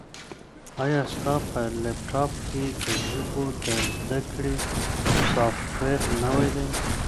ایا ستا په لیپټاپ کي د ژبو د زده کړې سافټویر نوی دی؟